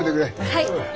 はい！